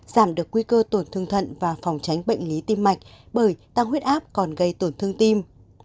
giảm được nguy cơ tổn thương thận và phòng tránh bệnh lý tim mạch bởi tăng huyết áp còn gây tổn thương tim